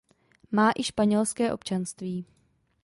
Má i španělské občanství.